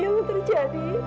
kalau mama percaya sama milla